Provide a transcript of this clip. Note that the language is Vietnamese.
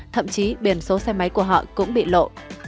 thậm chí biển số xe máy của họ cũng bị lộ